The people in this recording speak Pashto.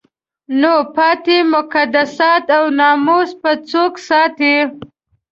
نو پاتې مقدسات او ناموس به څوک ساتي؟